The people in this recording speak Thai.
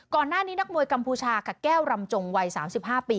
ก่อนหน้านี้นักมวยกัมพูชากับแก้วรำจงวัย๓๕ปี